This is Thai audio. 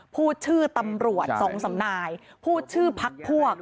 พูดชื่อตำรวจ๒สำนายพูดชื่อพักพวก